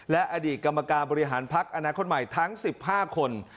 และอดีตกรรมการบริหารพักอนาคตใหม่ทั้ง๑๕คน